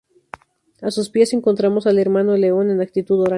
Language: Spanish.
A sus pies encontramos al hermano León, en actitud orante.